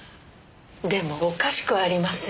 でもおかしくありません？